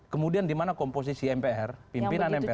kemudian dimana komposisi mpr pimpinan mpr